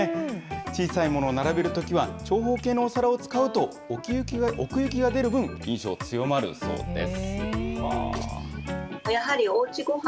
小さいものを並べるときは、長方形のお皿を使うと、奥行きが出る分、印象、強まるそうです。